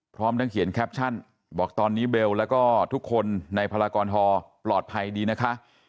พร้อมทั้งเขียนแคปชั่นบอกตอนนี้เบลแล้วก็ทุกคนในพลากรฮอปลอดภัยดีนะคะ